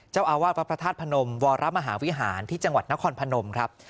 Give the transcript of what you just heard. เจ้าอาวาสวัดพระธาตุพนมวรมหาวิหารที่จังหวัดนครพนมครับ